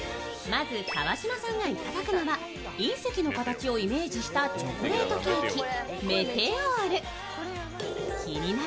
まず川島さんがいただくのは隕石の形をイメージしたチョコレートケーキ、メテオール。